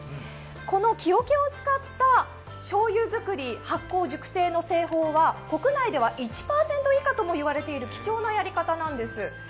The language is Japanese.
この木桶を使った醤油作り、発酵・熟成の製法は国内では１％以下ともいわれている貴重なやり方なんです。